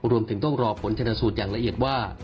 รวมถึงต้องรอผลชนสูตรอย่างละเอียดว่า